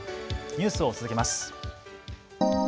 ニュースを続けます。